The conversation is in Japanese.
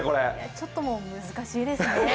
ちょっともう、難しいですねぇ。